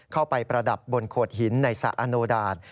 ประดับบนโขดหินในสระอโนดาต